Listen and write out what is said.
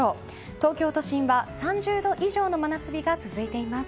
東京都心は３０度以上の真夏日が続いています。